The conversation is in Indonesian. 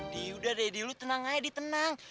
diyudah deh diyuduh tenang aja diyuduh tenang